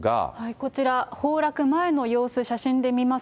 こちら、崩落前の様子、写真で見ます。